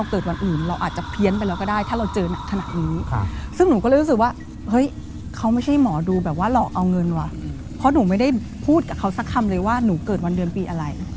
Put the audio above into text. คำเลยว่าหนูเกิดวันเดือนปีอะไร